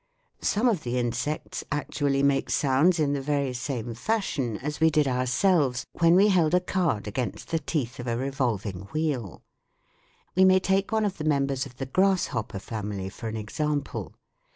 Some of the insects actually make sounds in the very same fashion as we did ourselves when we held a card against the teeth of a revolv SOUNDS OF THE COUNTRY 101 ing wheel. We may take one of the members of the grasshopper family for an example.